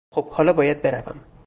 خب، حالا باید بروم.